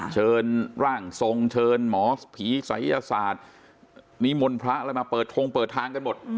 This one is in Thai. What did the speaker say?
เชิญร่างทรงเชิญหมอผีศัยยศาสตร์นิมนต์พระอะไรมาเปิดทงเปิดทางกันหมด